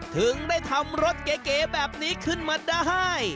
ถึงได้ทำรถเก๋แบบนี้ขึ้นมาได้